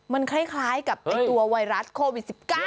มันคล้ายกับตัวไวรัสโควิด๑๙